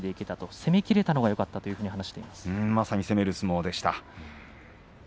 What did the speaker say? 攻め切れたのがよかったとまさに攻める相撲でした。